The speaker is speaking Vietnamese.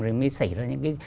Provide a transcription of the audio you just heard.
rồi mới xảy ra những cái